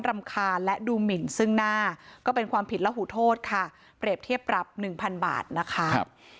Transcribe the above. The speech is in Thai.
รำคาญและดูหมินซึ่งหน้าก็เป็นความผิดและหูโทษค่ะเปรียบเทียบปรับหนึ่งพันบาทนะคะ